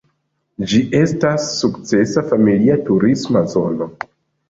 Ĝi estas sukcesa familia turisma zono.